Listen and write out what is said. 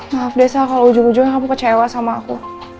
maaf desa kalo ujung ujungnya kamu kecewa sama aku